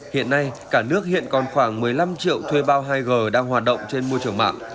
hiện nay cả nước hiện còn khoảng một mươi năm triệu thuê bao hai g đang hoạt động trên môi trường mạng